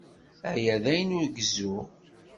Aya d ayen ur gezzuɣ.